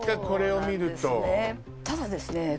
これを見るとそうなんですね